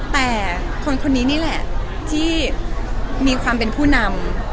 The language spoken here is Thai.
แต่คนคนนี้นี่แหละที่มีความเป็นผู้นำ